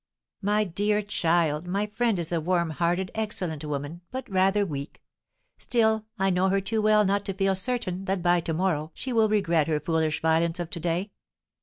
"My dear child, my friend is a warm hearted, excellent woman, but rather weak; still I know her too well not to feel certain that by to morrow she will regret her foolish violence of to day."